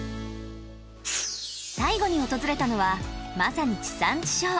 最後に訪れたのはまさに地産地消。